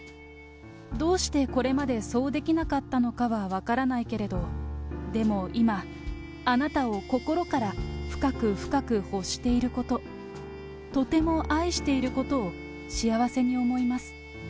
どうしてこれまでそうできなかったのかは分からないけれど、でも今、あなたを心から深く深く欲していること、とても愛していることを幸せに思います。